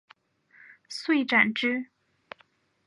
遂斩之。